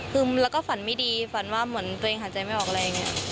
คือแล้วก็ฝันไม่ดีฝันว่าเหมือนตัวเองหายใจไม่ออกอะไรอย่างนี้